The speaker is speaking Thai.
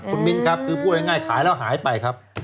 คุณมิ้นครับคือพูดง่ายขายแล้วหายไปครับ